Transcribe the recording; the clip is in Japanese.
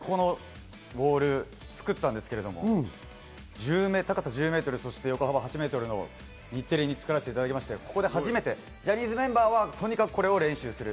ボルダリングの野中選手も実際に壁を作ったんですけれども、高さ１０ｍ、横幅８ｍの日テレに作らせていただいて、ここで初めてジャニーズメンバーはとにかくこれを練習する。